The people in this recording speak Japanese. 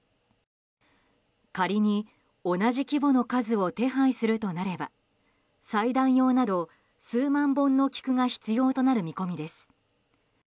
仮に同じ規模の数を手配するとなれば祭壇用など数万本の菊が必要となる見込みです。